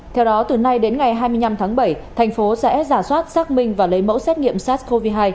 theo đó từ nay đến ngày hai mươi năm tháng bảy thành phố sẽ giả soát xác minh và lấy mẫu xét nghiệm sars cov hai